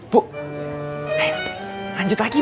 bu lanjut lagi bu